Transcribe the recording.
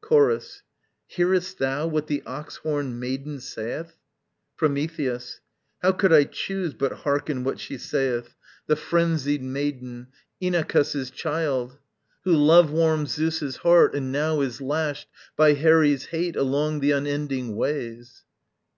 Chorus. Hearest thou what the ox horned maiden saith? Prometheus. How could I choose but hearken what she saith, The phrensied maiden? Inachus's child? Who love warms Zeus's heart, and now is lashed By Herè's hate along the unending ways?